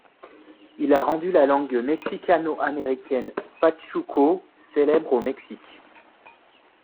Il a rendu la langue mexicano-américaine pachuco célèbre au Mexique.